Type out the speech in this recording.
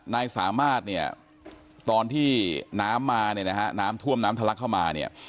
นายสามารถเนี่ยตอนที่น้ำมาเนี่ยนะฮะน้ำท่วมน้ำทะลักเข้ามาเนี่ย